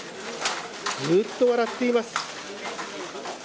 ずっと笑っています。